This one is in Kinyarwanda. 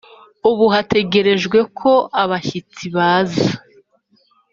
ubu hategerejwe ko abashyitsi baza.